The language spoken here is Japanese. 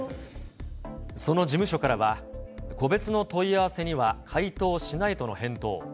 その事務所からは、個別の問い合わせには回答しないとの返答。